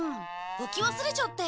置き忘れちゃって。